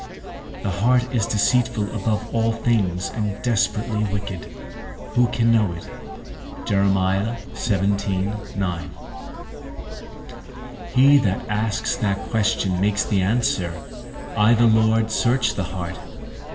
The heart is deceitful above all things, and desperately wicked; who can know it? He that asks that question makes the answer, I the Lord search the heart.